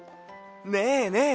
ねえねえ